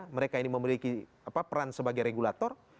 mereka ini memiliki peran sebagai regulator